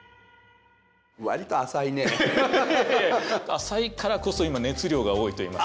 浅いからこそ今熱量が多いといいますか。